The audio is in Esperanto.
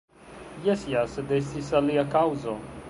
Jes ja, sed estis alia kaŭzo.